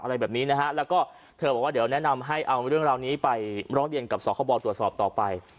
อะไรแบบนี้นะฮะแล้วก็เธอบอกว่าเดี๋ยวแนะนำให้เอาเรื่องราวนี้ไปร้องเรียนกับสคบตรวจสอบต่อไป